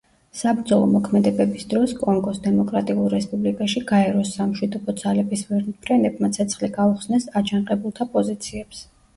საბრძოლო მოქმედებების დროს კონგოს დემოკრატიულ რესპუბლიკაში გაეროს სამშვიდობო ძალების ვერტმფრენებმა ცეცხლი გაუხსნეს აჯანყებულთა პოზიციებს.